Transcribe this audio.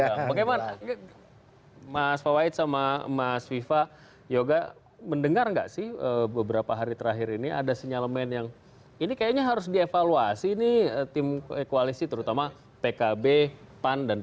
ya bagaimana mas fawait sama mas viva yoga mendengar nggak sih beberapa hari terakhir ini ada sinyalemen yang ini kayaknya harus dievaluasi nih tim koalisi terutama pkb pan dan p tiga